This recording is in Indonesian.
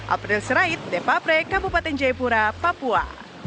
april serait depapre kabupaten jaipura papua